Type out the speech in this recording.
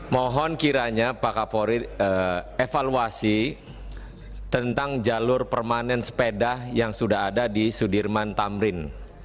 mohon kiranya pak kapolri evaluasi tentang jalur permanen sepeda yang sudah ada di sudirman tamrin